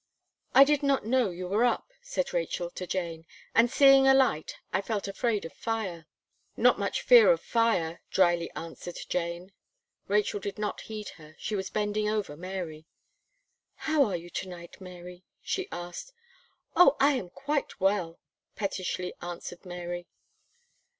"I did not know you were up," said Rachel to Jane, "and seeing a light, I felt afraid of fire." "Not much fear of fire," drily answered Jane. Rachel did not heed her she was bending over Mary. "How are you to night, Mary?" she asked. "Oh! I am quite well," pettishly answered Mary.